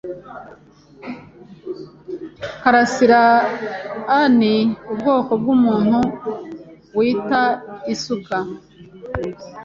Karasirani ubwoko bwumuntu wita isuka.